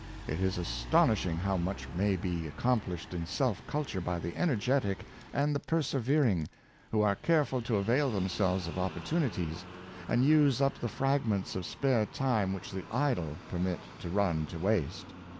It is astonishing how much may be accom plished in self culture by the energetic and the persever ing, who are careful to avail themselves of opportuni ties, and use up the fragments of spare time which the idle permit to run to waste.